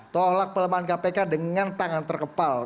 tolak pelemahan kpk dengan tangan terkepal